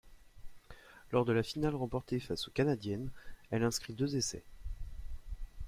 Lors de la finale remportée face aux Canadiennes, elle inscrit deux essais.